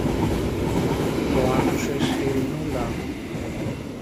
Το άκουσες, Ειρηνούλα;